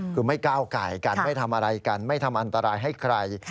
คือไม่ก้าวไก่กันไม่ทำอะไรกันไม่ทำอันตรายให้ใคร